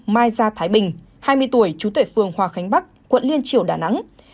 mai gia thái bình hai mươi tuổi chú tuệ phương hòa khánh bắc quận liên triều đà nẵng